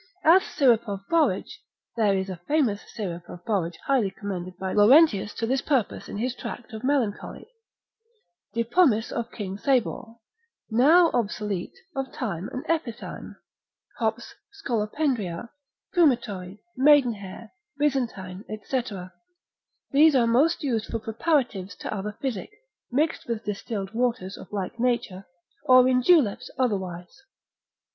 As syrup of borage (there is a famous syrup of borage highly commended by Laurentius to this purpose in his tract of melancholy), de pomis of king Sabor, now obsolete, of thyme and epithyme, hops, scolopendria, fumitory, maidenhair, bizantine, &c. These are most used for preparatives to other physic, mixed with distilled waters of like nature, or in juleps otherwise.